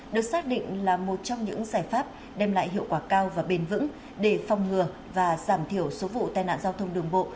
được xác định là một trong những giải pháp đem lại hiệu quả cao và bền vững để phòng ngừa và giảm thiểu số vụ tai nạn giao thông đường bộ